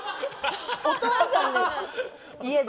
お父さんです、家で。